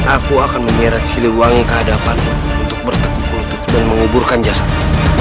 aku akan menyeret siliwangi ke hadapanmu untuk berteguk tutup dan menguburkan jasadmu